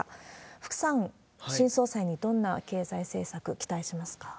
福さん、新総裁にどんな経済政策期待しますか？